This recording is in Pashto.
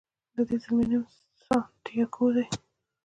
د دې زلمي نوم سانتیاګو دی.